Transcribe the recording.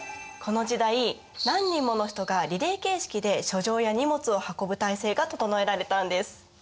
この時代何人もの人がリレー形式で書状や荷物を運ぶ体制が整えられたんです。